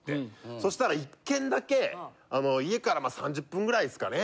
そしたら１軒だけ家から３０分ぐらいですかね